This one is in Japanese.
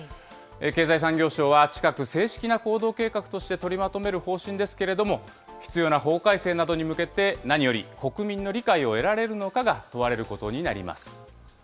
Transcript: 経済産業省は近く、正式な行動計画として取りまとめる方針ですけれども、必要な法改正などに向けて、何より国民の理解を得られるのかが問われることになります。